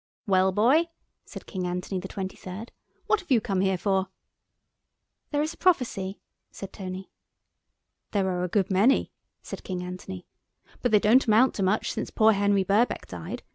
"Well, boy," said King Anthony XXIII., "what have you come here for?" "There is a prophecy," said Tony. "There are a good many," said King Anthony, "but they don't amount to much since poor Henry Birkbeck died.